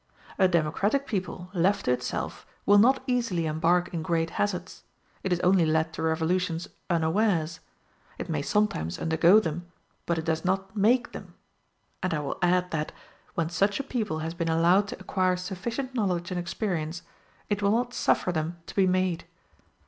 A democratic people left to itself will not easily embark in great hazards; it is only led to revolutions unawares; it may sometimes undergo them, but it does not make them; and I will add that, when such a people has been allowed to acquire sufficient knowledge and experience, it will not suffer them to be made.